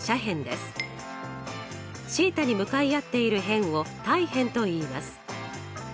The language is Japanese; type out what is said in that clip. θに向かい合っている辺を対辺といいます。